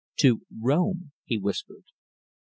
"To Rome," he whispered.